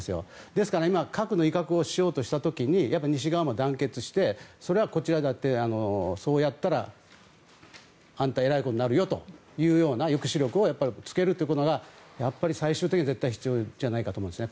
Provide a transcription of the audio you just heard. ですから今核の威嚇をしようとした時に西側も団結してそれはこちらだってそうやったらえらいことになるよという抑止力をつけることがやっぱり最終的には必要じゃないかと思います。